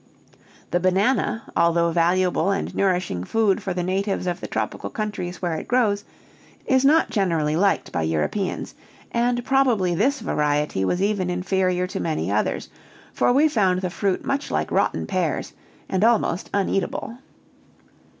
The banana, although valuable and nourishing food for the natives of the tropical countries where it grows, is not generally liked by Europeans, and probably this variety was even inferior to many others, for we found the fruit much like rotten pears, and almost uneatable.